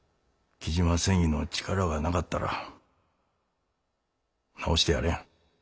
雉真繊維の力がなかったら治してやれん。